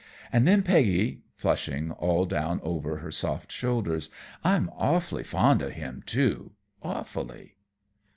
And then, Peggy," flushing all down over her soft shoulders, "I'm awfully fond of him, too. Awfully."